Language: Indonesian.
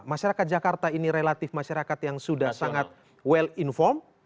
masyarakat jakarta ini relatif masyarakat yang sudah sangat well informed